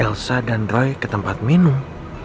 delsa dan roy ke tempat minum